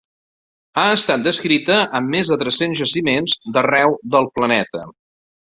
Ha estat descrita en més de tres-cents jaciments d'arreu del planeta.